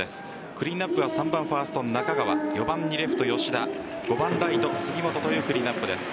クリーンアップは３番ファースト・中川４番にレフト・吉田５番ライト・杉本というクリーンアップです。